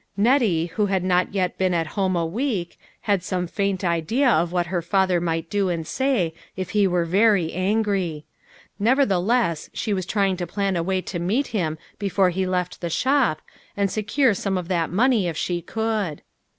Nettie, who had not yet been at home a week, had some faint idea of what her father might do and say if he were very angry. Never theless, she was trying to plan a way to meet him before he left the shop, and secure some of that money if she could.